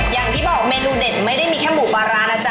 อย่างที่บอกเมนูเด็ดไม่ได้มีแค่หมูปลาร้านะ